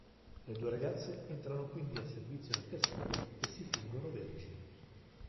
Le due ragazze entrano quindi a servizio nel castello e si fingono vergini.